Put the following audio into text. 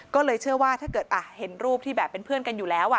ก็เลยเชื่อว่าถ้าเกิดเห็นรูปที่แบบเป็นเพื่อนกันอยู่แล้ว